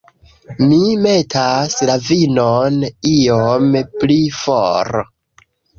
Mi metas la vinon iom pli for